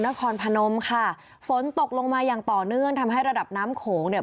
นครพนมค่ะฝนตกลงมาอย่างต่อเนื่องทำให้ระดับน้ำโขงเนี่ย